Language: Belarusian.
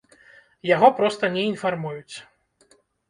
Яго проста не інфармуюць.